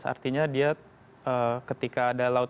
artinya dia ketika ada laut